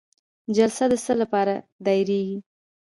جلسه د څه لپاره دایریږي؟